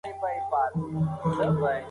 ماشومان د طبیعت په غېږ کې خوشاله وي.